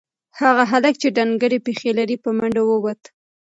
هغه هلک چې ډنگرې پښې لري په منډه ووت.